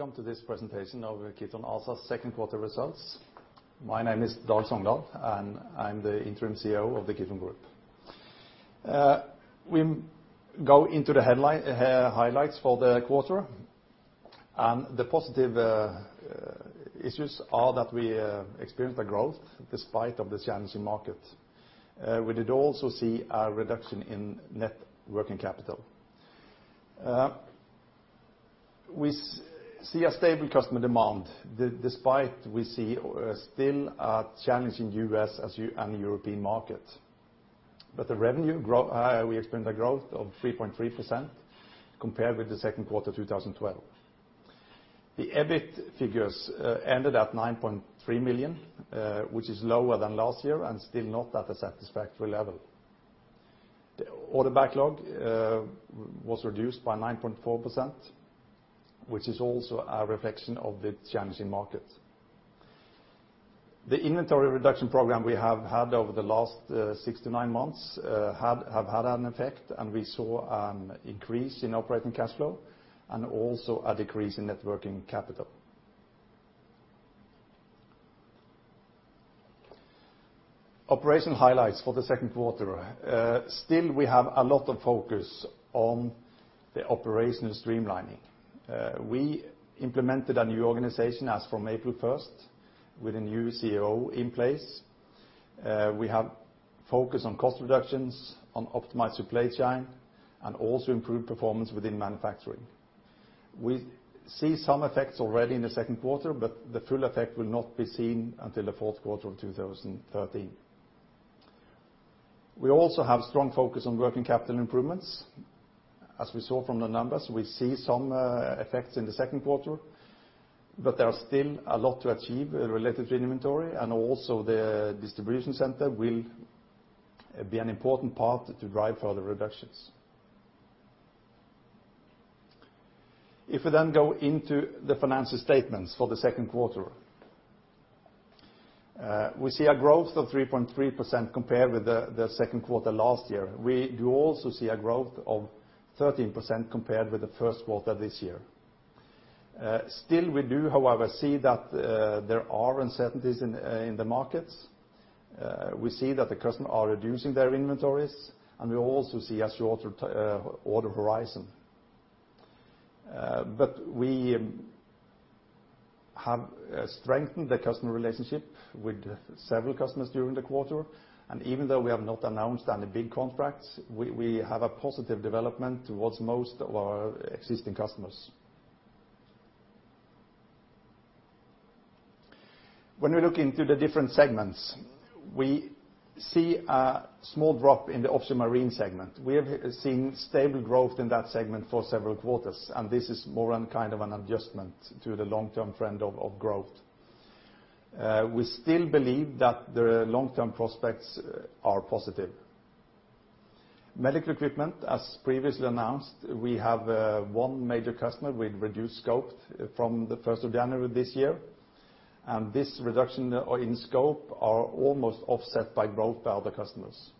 Welcome to this presentation of the Kitron ASA's second quarter results. My name is Dag Songedal, and I'm the interim CEO of the Kitron Group. We go into the highlights for the quarter. The positive issues are that we experienced the growth despite of this challenging market. We did also see a reduction in Net Working Capital. We see a stable customer demand despite we see still a challenge in U.S. and European market. The revenue grow, we experienced a growth of 3.3% compared with the second quarter 2012. The EBIT figures ended at 9.3 million, which is lower than last year and still not at a satisfactory level. The order backlog was reduced by 9.4%, which is also a reflection of the challenging market. The inventory reduction program we have had over the last six to nine months have had an effect, and we saw an increase in operating cash flow and also a decrease in net working capital. Operational highlights for the second quarter. Still we have a lot of focus on the operational streamlining. We implemented a new organization as from 1 April with a new CEO in place. We have focus on cost reductions, on optimized supply chain, and also improved performance within manufacturing. We see some effects already in the second quarter, but the full effect will not be seen until the fourth quarter of 2013. We also have strong focus on working capital improvements. We saw from the numbers, we see some effects in the second quarter, but there are still a lot to achieve related to inventory, and also the distribution center will be an important part to drive further reductions. If we go into the financial statements for the second quarter, we see a growth of 3.3% compared with the second quarter last year. We do also see a growth of 13% compared with the first quarter this year. Still we do, however, see that there are uncertainties in the markets. We see that the customer are reducing their inventories, and we also see a shorter order horizon. We have strengthened the customer relationship with several customers during the quarter. Even though we have not announced any big contracts, we have a positive development towards most of our existing customers. When we look into the different segments, we see a small drop in the Offshore/Marine segment. We have seen stable growth in that segment for several quarters, and this is more an kind of an adjustment to the long-term trend of growth. We still believe that the long-term prospects are positive. Medical equipment, as previously announced, we have one major customer with reduced scope from the 1 January this year. This reduction in scope are almost offset by growth by other customers.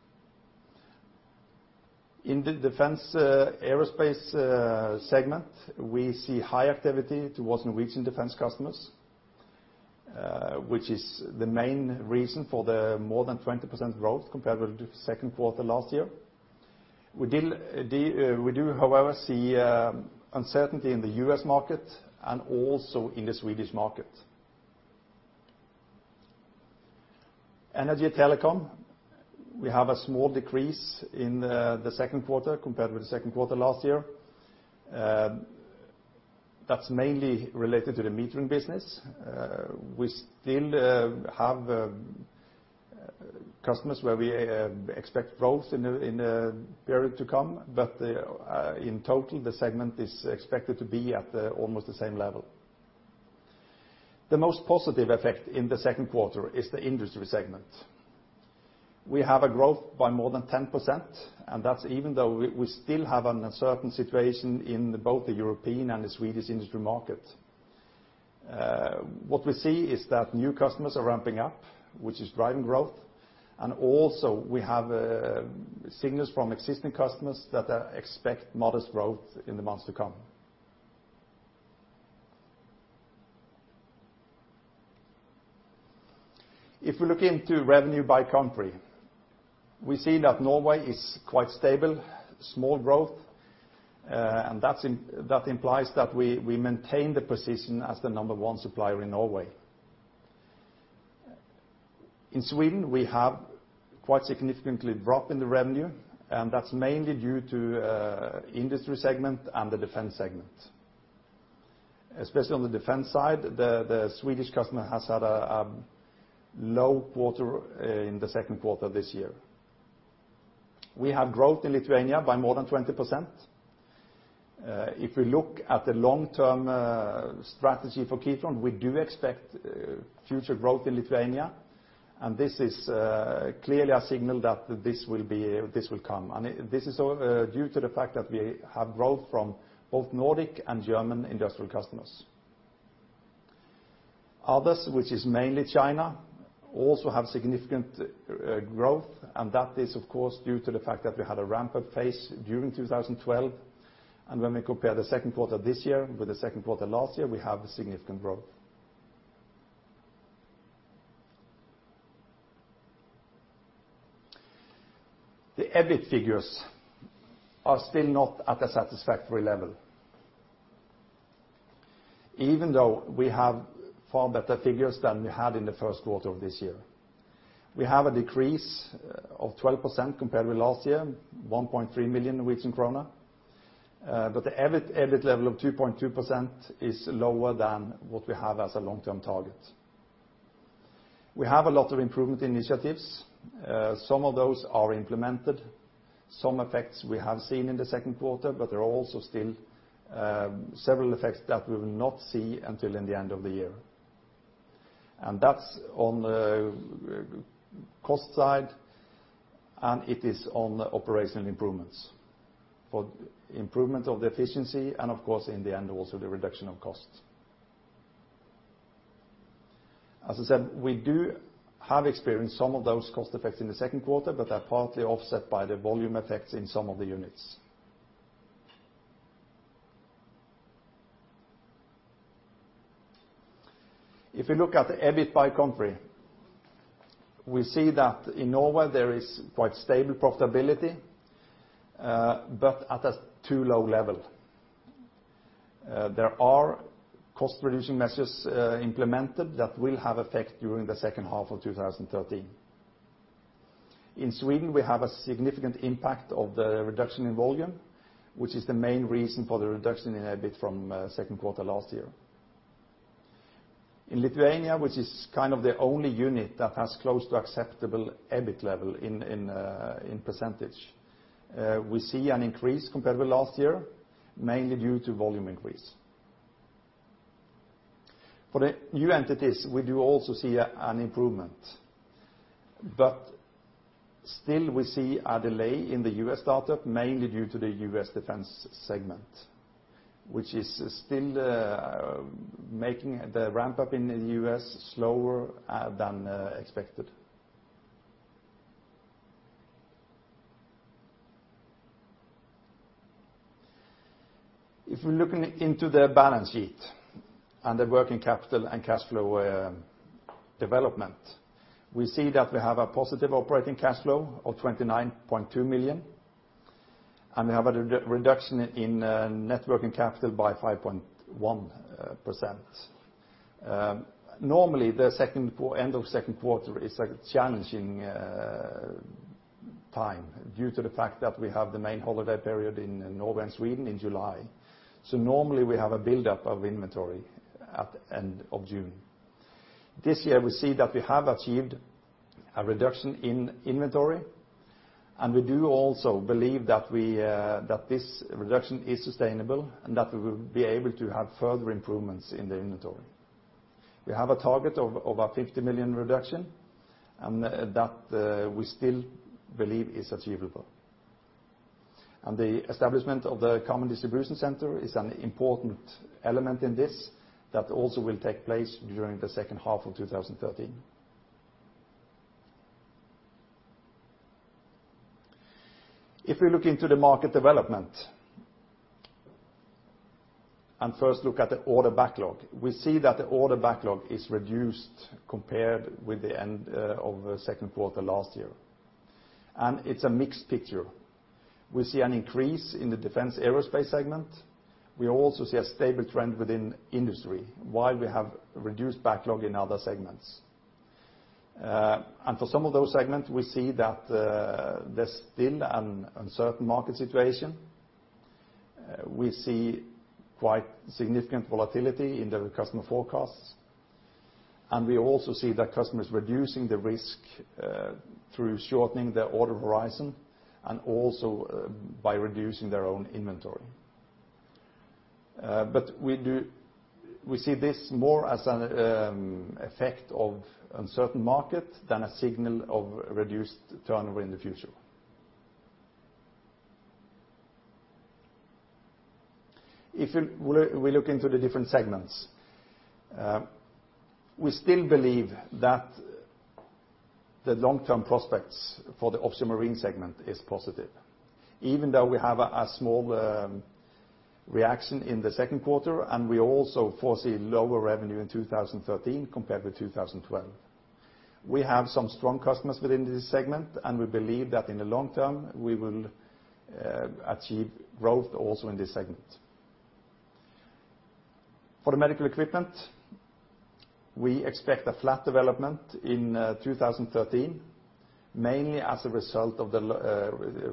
In the Defense & Aerospace segment, we see high activity towards Norwegian defense customers, which is the main reason for the more than 20% growth compared with the second quarter last year. We do, however, see uncertainty in the U.S. market and also in the Swedish market. Energy and Telecom, we have a small decrease in the second quarter compared with the second quarter last year. That's mainly related to the metering business. We still have customers where we expect growth in the period to come. In total, the segment is expected to be at almost the same level. The most positive effect in the second quarter is the Industry Segment. We have a growth by more than 10%, that's even though we still have an uncertain situation in both the European and the Swedish industry market. What we see is that new customers are ramping up, which is driving growth. Also, we have signals from existing customers that expect modest growth in the months to come. If we look into revenue by country, we see that Norway is quite stable, small growth, and that implies that we maintain the position as the number one supplier in Norway. In Sweden, we have quite significantly drop in the revenue, and that's mainly due to Industry segment and the Defense segment. Especially on the Defense side, the Swedish customer has had a low quarter in the second quarter this year. We have growth in Lithuania by more than 20%. If we look at the long-term strategy for Kitron, we do expect future growth in Lithuania, and this is clearly a signal that this will be, this will come. This is due to the fact that we have growth from both Nordic and German industrial customers. Others, which is mainly China, also have significant growth. That is, of course, due to the fact that we had a ramp-up phase during 2012. When we compare the second quarter this year with the second quarter last year, we have a significant growth. The EBIT figures are still not at a satisfactory level. Even though we have far better figures than we had in the first quarter of this year. We have a decrease of 12% compared with last year, 1.3 million Norwegian krone. The EBIT level of 2.2% is lower than what we have as a long-term target. We have a lot of improvement initiatives. Some of those are implemented. Some effects we have seen in the second quarter, but there are also still several effects that we will not see until in the end of the year. That's on the cost side, and it is on the operational improvements. For improvement of the efficiency and of course, in the end, also the reduction of costs. As I said, we do have experienced some of those cost effects in the second quarter, but they're partly offset by the volume effects in some of the units. If we look at the EBIT by country, we see that in Norway there is quite stable profitability, but at a too low level. There are cost-reducing measures implemented that will have effect during the second half of 2013. In Sweden, we have a significant impact of the reduction in volume, which is the main reason for the reduction in EBIT from second quarter last year. In Lithuania, which is kind of the only unit that has close to acceptable EBIT level in percentage, we see an increase compared with last year, mainly due to volume increase. For the new entities, we do also see an improvement. Still we see a delay in the U.S. startup, mainly due to the U.S. Defense segment, which is still making the ramp-up in the U.S. slower than expected. If we're looking into the balance sheet and the working capital and cash flow development, we see that we have a positive operating cash flow of 29.2 million, and we have a re-reduction in net working capital by 5.1%. Normally, the end of second quarter is a challenging time due to the fact that we have the main holiday period in Norway and Sweden in July. Normally we have a buildup of inventory at end of June. This year, we see that we have achieved a reduction in inventory, and we do also believe that this reduction is sustainable and that we will be able to have further improvements in the inventory. We have a target of, over 50 million reduction, and that we still believe is achievable. The establishment of the common distribution center is an important element in this that also will take place during the second half of 2013. If we look into the market development, first look at the order backlog, we see that the order backlog is reduced compared with the end of second quarter last year. It's a mixed picture. We see an increase in the Defense & Aerospace segment. We also see a stable trend within industry, while we have reduced backlog in other segments. For some of those segments, we see that there's still an uncertain market situation. We see quite significant volatility in the customer forecasts, and we also see that customers reducing the risk through shortening their order horizon and also by reducing their own inventory. We see this more as an effect of uncertain market than a signal of reduced turnover in the future. If we look into the different segments, we still believe that the long-term prospects for the Offshore/Marine segment is positive, even though we have a small reaction in the second quarter, and we also foresee lower revenue in 2013 compared with 2012. We have some strong customers within this segment, and we believe that in the long term, we will achieve growth also in this segment. For the Medical Equipment, we expect a flat development in 2013, mainly as a result of the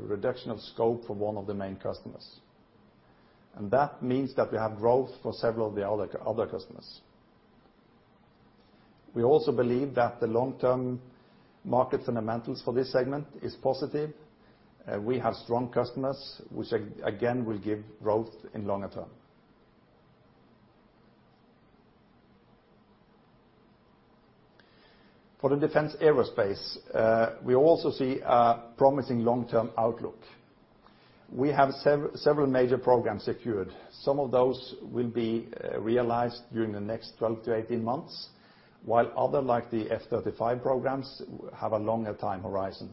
reduction of scope for one of the main customers. That means that we have growth for several of the other customers. We also believe that the long-term market fundamentals for this segment is positive. We have strong customers, which again, will give growth in longer term. For the Defense & Aerospace, we also see a promising long-term outlook. We have several major programs secured. Some of those will be realized during the next 12 to 18 months, while others, like the F-35 programs, have a longer time horizon.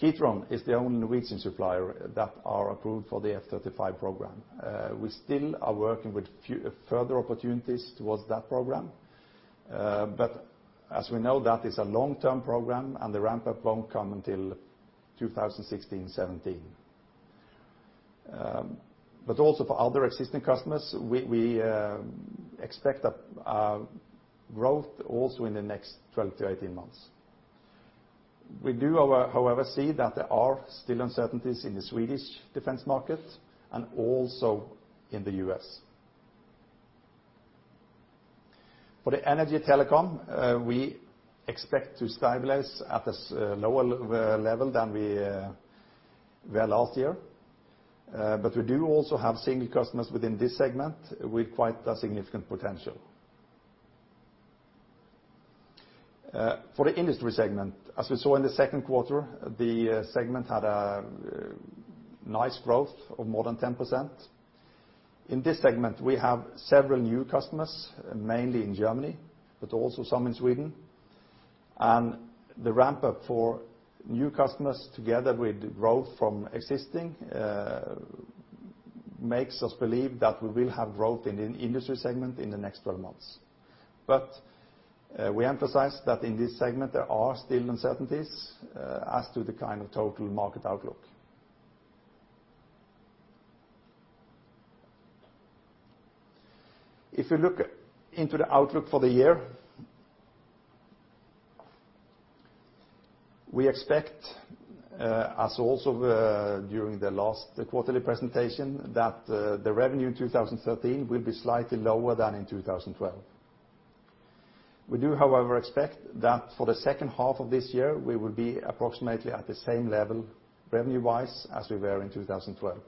Kitron is the only Norwegian supplier that are approved for the F-35 program. We still are working with further opportunities towards that program, but as we know, that is a long-term program, and the ramp-up won't come until 2016, 2017. Also for other existing customers, we expect a growth also in the next 12 to 18 months. We do, however, see that there are still uncertainties in the Swedish defense market and also in the U.S.. For the Energy and Telecom, we expect to stabilize at this lower level than we were last year. We do also have single customers within this segment with quite a significant potential. For the Industry segment, as we saw in the second quarter, the segment had a nice growth of more than 10%. In this segment, we have several new customers, mainly in Germany, but also some in Sweden. The ramp-up for new customers together with growth from existing makes us believe that we will have growth in the Industry segment in the next 12 months. We emphasize that in this segment, there are still uncertainties as to the kind of total market outlook. If you look into the outlook for the year, we expect, as also during the last quarterly presentation, that the revenue in 2013 will be slightly lower than in 2012. We do, however, expect that for the second half of this year, we will be approximately at the same level revenue-wise as we were in 2012.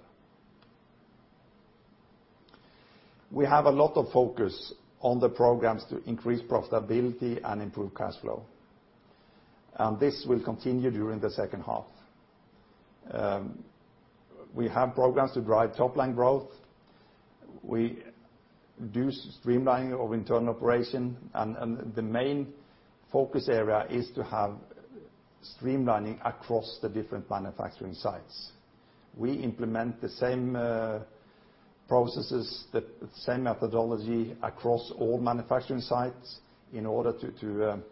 We have a lot of focus on the programs to increase profitability and improve cash flow. This will continue during the second half. We have programs to drive top-line growth. We do streamlining of internal operation, and the main focus area is to have streamlining across the different manufacturing sites. We implement the same processes, the same methodology across all manufacturing sites in order to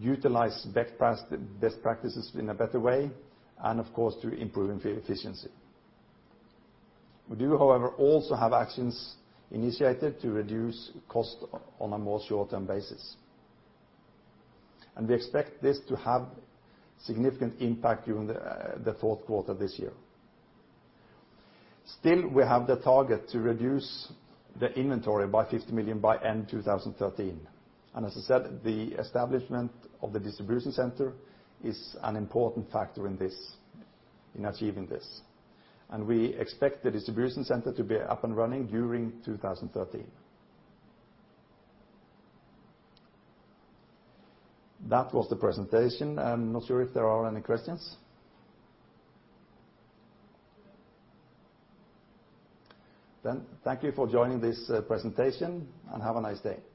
utilize best practices in a better way and, of course, to improve efficiency. We do, however, also have actions initiated to reduce cost on a more short-term basis. We expect this to have significant impact during the fourth quarter this year. Still, we have the target to reduce the inventory by 50 million by end 2013. As I said, the establishment of the distribution center is an important factor in this, in achieving this. We expect the distribution center to be up and running during 2013. That was the presentation. I'm not sure if there are any questions. Thank you for joining this presentation, and have a nice day.